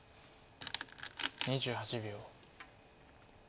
２８秒。